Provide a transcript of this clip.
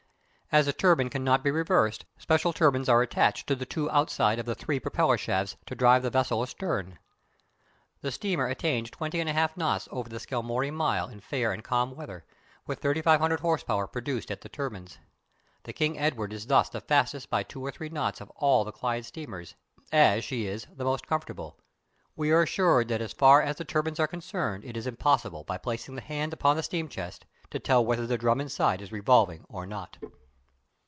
As a turbine cannot be reversed, special turbines are attached to the two outside of the three propeller shafts to drive the vessel astern. The steamer attained 20 1/2 knots over the "Skelmorlie mile" in fair and calm weather, with 3500 horse power produced at the turbines. The King Edward is thus the fastest by two or three knots of all the Clyde steamers, as she is the most comfortable. We are assured that as far as the turbines are concerned it is impossible by placing the hand upon the steam chest to tell whether the drum inside is revolving or not!